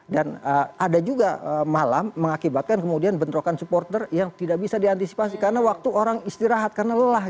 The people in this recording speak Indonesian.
dan ada juga malam mengakibatkan kemudian bentrokan supporter yang tidak bisa diantisipasi karena waktu orang istirahat karena lelah